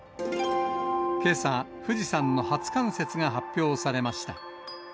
けさ、富士山の初冠雪が発表されました。